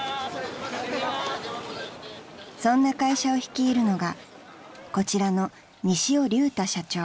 ［そんな会社を率いるのがこちらの西尾竜太社長］